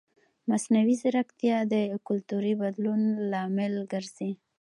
مصنوعي ځیرکتیا د کلتوري بدلون لامل ګرځي.